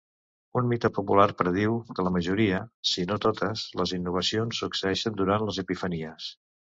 Un mite popular prediu que la majoria, si no totes, les innovacions succeeixen durant les epifanies.